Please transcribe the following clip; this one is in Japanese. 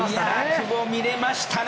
久保、見れましたね。